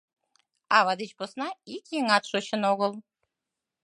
Ава деч посна ик еҥат шочын огыл.